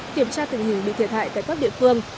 kiểm tra tình hình bị thiệt hại tại các địa phương